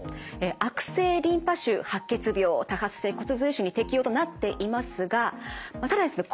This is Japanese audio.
悪性リンパ腫白血病多発性骨髄腫に適用となっていますがただですね